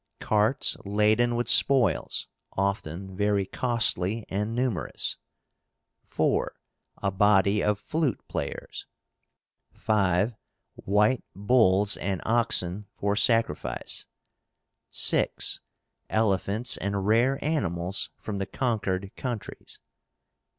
Carts laden with spoils, often very costly and numerous. 4. A body of flute players. 5. White bulls and oxen for sacrifice. 6. Elephants and rare animals from the conquered countries.